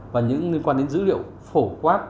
và những liên quan đến dữ liệu phổ quát